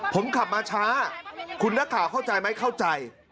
ผมขับมาช้าคุณนักข่าวเข้าใจไหมเข้าใจ